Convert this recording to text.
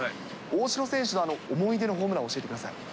大城選手の思い出のホームラン、教えてください。